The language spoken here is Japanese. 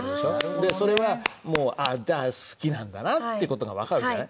でそれはもう「あっ好きなんだな」っていう事が分かるじゃない。